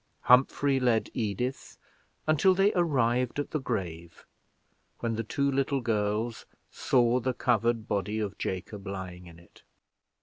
Humphrey led Edith until they arrived at the grave, when the two little girls saw the covered body of Jacob lying in it.